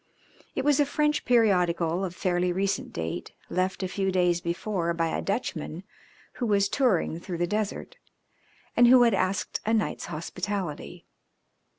It was a French periodical of fairly recent date, left a few days before by a Dutchman who was touring through the desert, and who had asked a night's hospitality.